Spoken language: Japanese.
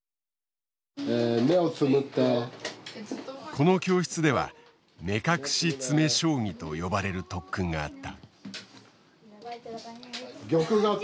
この教室では目隠し詰将棋と呼ばれる特訓があった。